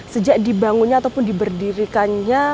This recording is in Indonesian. sejak dibangunnya ataupun diberdirikannya